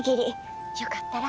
よかったら。